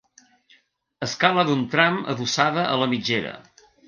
Escala d'un tram adossada a la mitgera.